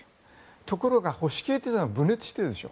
ところが保守系というのは分裂しているでしょ